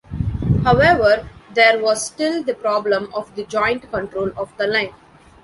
However, there was still the problem of the joint control of the line.